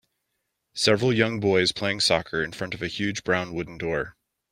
several young boys playing soccer in front of a huge brown wooden door